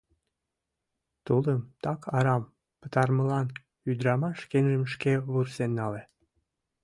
Тулым так арам пытарымылан ӱдырамаш шкенжым шке вурсен нале.